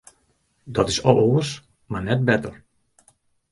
Dat is al oars, mar net better.